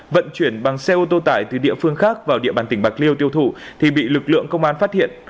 vận chuyển bằng xe ô tô tải từ địa phương khác vào địa bàn tỉnh bạc liêu tiêu thụ thì bị lực lượng công an phát hiện